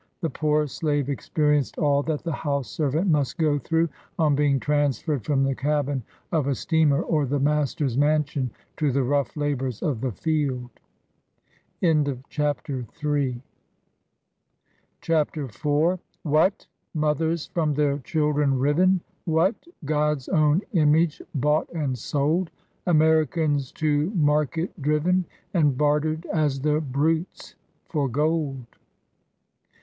The poor slave experienced all that the house servant must go through, on being transferred from the cabin of a steamer, or the master's mansion, to the rough labors of the field. AX AMERICAN BONDMAN. 17 CHAPTER IV. " What ! mothers from their children riven ? "What ! God's own image bought and sold r . Americans to market driven, And bartered, as the brutes, for gold?"